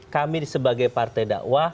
kami sebagai partai dakwah